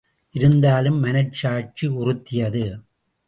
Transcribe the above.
இருந்தாலும் மனச்சாட்சி உறுத்தியது.